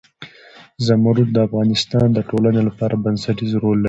زمرد د افغانستان د ټولنې لپاره بنسټيز رول لري.